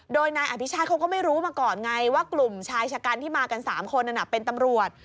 โดยนายอภิชาติเขาก็ไม่รู้มาก่อนไงว่ากลุ่มชายชะกันที่มากัน๓คนนั้นเป็นตำรวจ